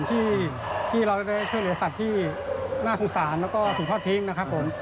ที่เราได้ช่วยเหลือสัตว์ที่น่าสงสารแล้วก็ถูกทอดทิ้งนะครับผม